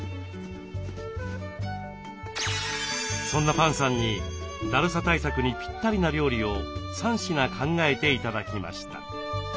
そんなパンさんにだるさ対策にぴったりな料理を３品考えて頂きました。